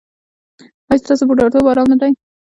ایا ستاسو بوډاتوب ارام نه دی؟